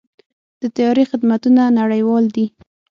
د طیارې خدمتونه نړیوال دي.